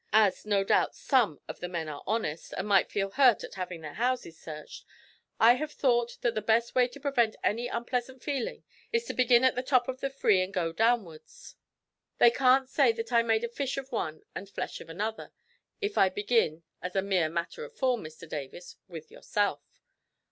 As, no doubt, some of the men are honest, and might feel hurt at having their houses searched, I have thought that the best way to prevent any unpleasant feeling is to begin at the top of the free and go downwards. They can't say that I have made fish of one and flesh of another, if I begin, as a mere matter of form, Mr Davis, with yourself."